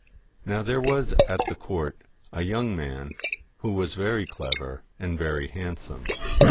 169 THE FAIR Now there was at the court a young man, who MAID ^as very clever and very handsome.